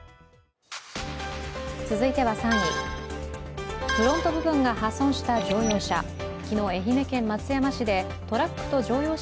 続いては３位、フロント部分が破損した乗用車。